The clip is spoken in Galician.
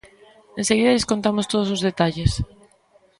Enseguida lles contamos todos os detalles.